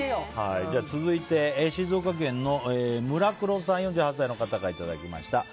続いて、静岡県の４８歳の方からいただきました。